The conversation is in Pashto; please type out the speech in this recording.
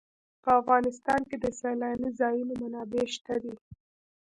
په افغانستان کې د سیلاني ځایونو منابع شته دي.